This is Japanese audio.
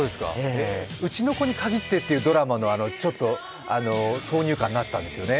「うちの子にかぎって．．．」っていうドラマの挿入歌になってたんですよね。